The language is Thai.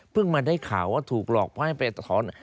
มาได้ข่าวว่าถูกหลอกเพราะให้ไปถอน